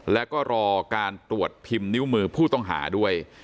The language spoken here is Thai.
แล้วก็รอการตรวจพิมพ์นิ้วมือผู้ต้องหาด้วย